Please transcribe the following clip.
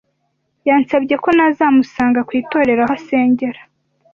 Yansabye ko nazamusanga kw’itorero aho asengera,